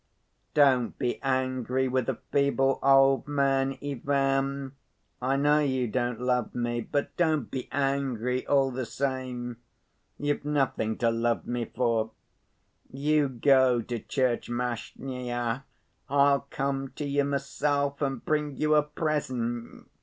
"Don't be angry with a feeble old man, Ivan. I know you don't love me, but don't be angry all the same. You've nothing to love me for. You go to Tchermashnya. I'll come to you myself and bring you a present.